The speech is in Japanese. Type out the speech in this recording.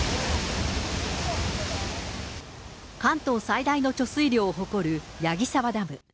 関東最大の貯水量を誇る矢木沢ダム。